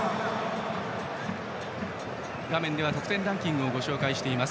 画面では得点ランキングをご紹介しています。